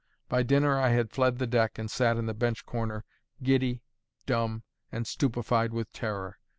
By dinner I had fled the deck, and sat in the bench corner, giddy, dumb, and stupefied with terror.